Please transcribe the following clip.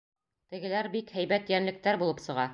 Тегеләр бик һәйбәт йәнлектәр булып сыға.